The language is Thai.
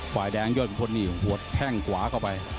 ไฟล์แดงเยาะขุมพลทดแข่งขวากล่อไป